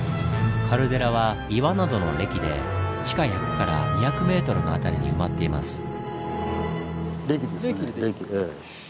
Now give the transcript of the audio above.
カルデラは岩などの礫で地下１００２００ｍの辺りに埋まっています。